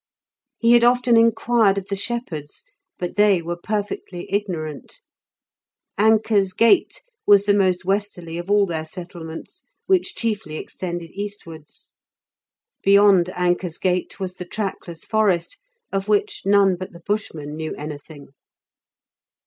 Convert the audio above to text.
He had often inquired of the shepherds, but they were perfectly ignorant. Anker's Gate was the most westerly of all their settlements, which chiefly extended eastwards. Beyond Anker's Gate was the trackless forest, of which none but the Bushmen knew anything.